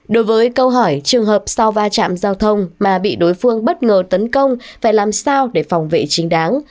đối với câu hỏi trường hợp sau va chạm giao thông mà bị đối phương bất ngờ tấn công phải làm sao để phòng vệ chính đáng